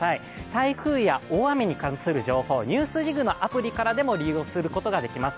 台風や大雨に関する情報、「ＮＥＷＳＤＩＧ」のアプリからでも利用することができます。